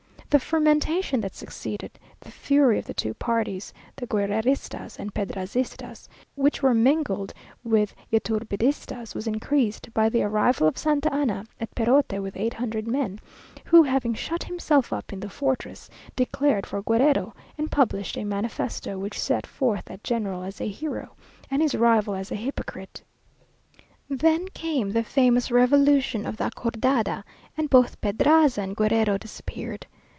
The fermentation that succeeded, the fury of the two parties, the Guerreristas and Pedrazistas, which were mingled with Yturbidistas, was increased by the arrival of Santa Anna at Perote with eight hundred men, who, having shut himself up in the fortress, declared for Guerrero, and published a manifesto, which set forth that general as a hero, and his rival as a hypocrite. Then came the famous revolution of the Acordada, and both Pedraza and Guerrero disappeared.